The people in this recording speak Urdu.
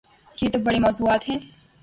یہ تو بڑے موضوعات ہیں۔